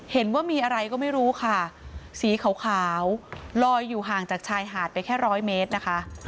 เห็นว่ามีอะไรก็ไม่รู้ค่ะสีขาวลอยอยู่ห่างจากชายหาดไปแค่ร้อยเมตรนะคะ